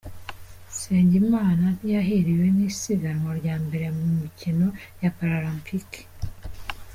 Nsengimana ntiyahiriwe n’isiganwa rya mbere mu mikino Paralempike